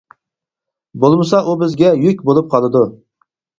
بولمىسا ئۇ بىزگە يۈك بولۇپ قالىدۇ.